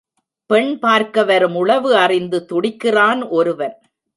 பெண்பார்க்க வரும் உளவு அறிந்து துடிக்கிறான் ஒருவன்.